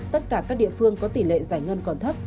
tất cả các địa phương có tỷ lệ giải ngân còn thấp